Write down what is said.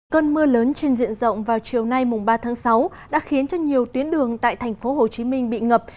cơn mưa lớn trên diện rộng vào chiều nay ba tháng sáu đã khiến cho nhiều tuyến đường tại thành phố hồ chí minh bị ngập